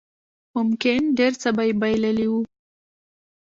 ممکن ډېر څه به يې بايللي وو.